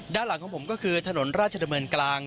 ด้านหลังของผมก็คือถนนราชดำเนินกลาง